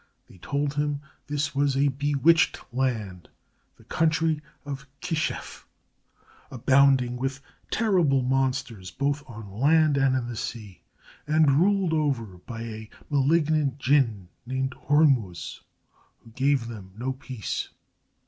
They told him this was a bewitched land, the country of Kishef, abounding with terrible monsters both on land and in the sea, and ruled over by a malignant jinn, named Hormuz, who gave them no peace.